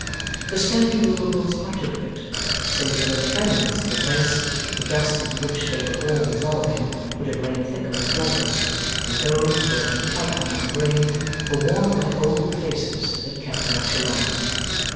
The scanty moveables partook of it; save for the cleanliness of the place, the dust into which they were all resolving would have lain thick on the floors; and those, both in colour and in grain, were worn like old faces that had kept much alone.